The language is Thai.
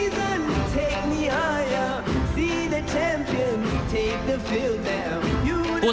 ท่านแรกครับจันทรุ่ม